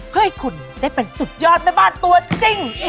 เพื่อให้คุณได้เป็นสุดยอดแม่บ้านตัวจริง